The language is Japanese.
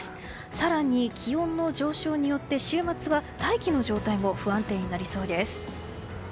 更に気温の上昇によって週末は大気の状態も不安定になりそうです。